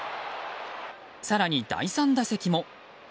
更に、第３打席も。